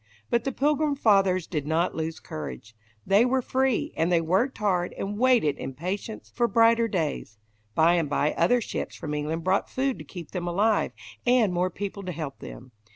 But the Pilgrim Fathers did not lose courage. They were free, and they worked hard, and waited in patience for brighter days. By and by other ships from England brought food to keep them alive, and more people to help them.